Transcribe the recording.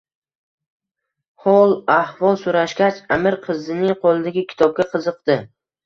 Hol-ahvol soʼrashgach, Аmir qizning qoʼlidagi kitobga qiziqdi.